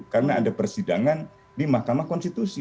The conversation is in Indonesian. karena ada persidangan di makamah konstitusi